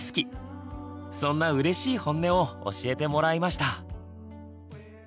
そんなうれしいホンネを教えてもらいました。